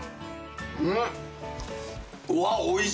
うん！